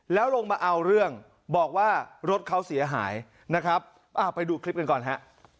แล้วลงมาเอาเรื่องบอกว่ารถเขาเสียหายนะครับไปดูคลิปกันก่อนฮะ